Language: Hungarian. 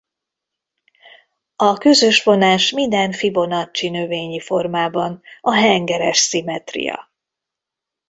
A közös vonás minden Fibonacci-növényi formában a hengeres szimmetria.